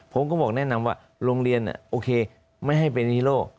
ผมก็บอกแนะนำว่าโรงเรียนโอเคไม่ให้เป็นฮีโร่